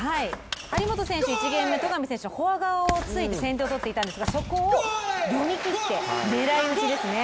張本選手、１ゲーム目、戸上選手のフォア側で先手を取っていたんですがそこを読み切って、狙い打ちですね。